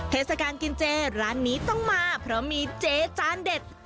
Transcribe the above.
เทศกาลกินเจร้านนี้ต้องมาเพราะมีเจจานเด็ด